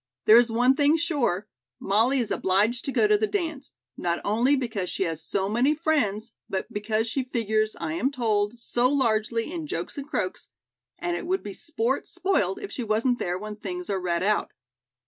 There is one thing sure: Molly is obliged to go to the dance, not only because she has so many friends, but because she figures, I am told, so largely in 'Jokes & Croaks,' and it would be sport spoiled if she wasn't there when the things are read out.